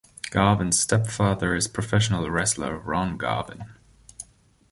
Garvin's stepfather is professional wrestler Ron Garvin.